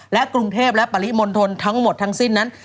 และกรุงเทพและปริมณฑลทั้งหมดทั้งสิ้นนั้น